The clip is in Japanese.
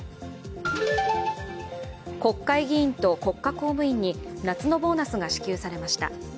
国会議員と国家公務員に夏のボーナスが支給されました。